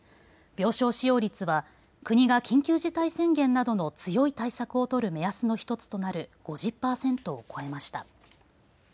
病床使用率は国が緊急事態宣言などの強い対策を取る目安の１つとなる５０％を超えました。